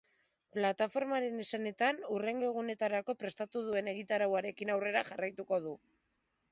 Plataformaren esanetan, hurrengo egunetarako prestatu duen egitarauarekin aurrera jarraituko du.